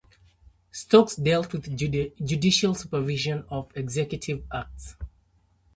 Stokes dealt with judicial supervision of executive acts.